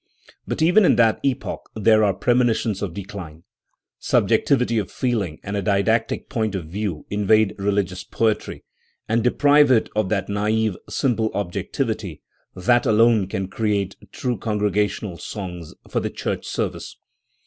But even in that epoch there are premonitions of decline. Subjectivity of feeling and a didactic point of view invade religious poetry, and deprive it of that naive, simple ob jectivity that alone can create true congregational songs for the church service.